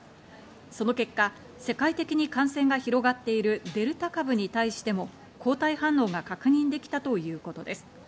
その結果、世界的に感染が広がっているデルタ株に対しても抗体反応が確認できたということです。